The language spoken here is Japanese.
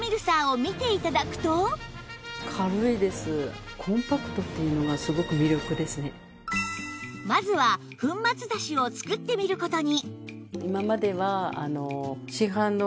そこでまずは粉末だしを作ってみる事に